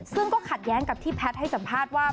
ซึ่งก็ขัดแย้งกับที่แพทย์ให้สัมภาษณ์ว่า